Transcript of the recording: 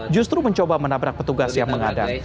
justru mencoba menabrak petugas yang mengada